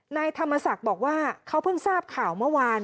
นายธรรมศักดิ์บอกว่าเขาเพิ่งทราบข่าวเมื่อวาน